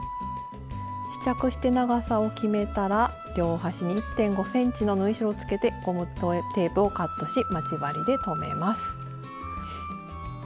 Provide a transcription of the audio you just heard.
試着して長さを決めたら両端に１．５ｃｍの縫い代をつけてゴムテープをカットし待ち針で留めます。